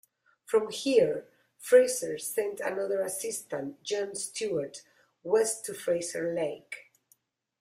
From here, Fraser sent another assistant John Stuart west to Fraser Lake.